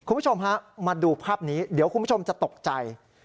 คุณผู้ชมฮะมาดูภาพนี้เดี๋ยวคุณผู้ชมจะตกใจ